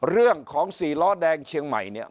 เรื่องของสี่ล้อแดงเชียงใหม่เนี่ย